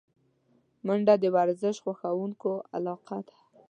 منډه د ورزش خوښونکو علاقه ده